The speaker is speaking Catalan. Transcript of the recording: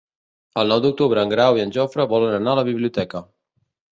El nou d'octubre en Grau i en Jofre volen anar a la biblioteca.